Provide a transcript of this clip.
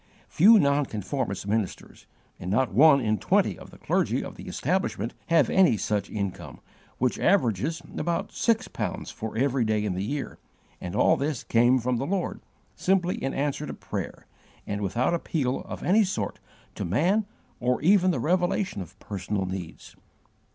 Few nonconformist ministers, and not one in twenty of the clergy of the establishment, have any such income, which averages about six pounds for every day in the year and all this came from the Lord, simply in answer to prayer, and without appeal of any sort to man or even the revelation of personal needs.